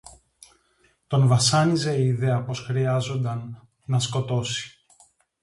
Τον βασάνιζε η ιδέα πως χρειάζουνταν να σκοτώσει